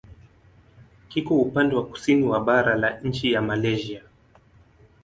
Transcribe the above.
Kiko upande wa kusini wa bara la nchi ya Malaysia.